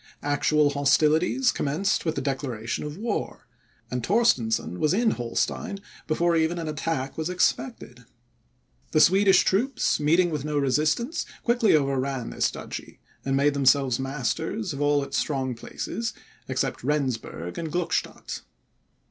Actual hostilities commenced with the declaration of war; and Torstensohn was in Holstein, before even an attack was expected. The Swedish troops, meeting with no resistance, quickly overran this duchy, and made themselves masters of all its strong places, except Rensburg and Gluckstadt.